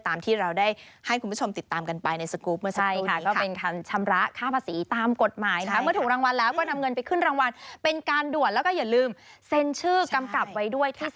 ตามที่เราได้ให้คุณผู้ชมติดตามกันไป